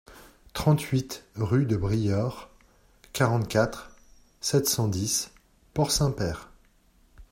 trente-huit rue de Briord, quarante-quatre, sept cent dix, Port-Saint-Père